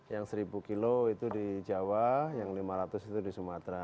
yang seribu kilo itu di jawa yang lima ratus itu di sumatera